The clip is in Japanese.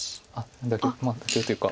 妥協妥協というか。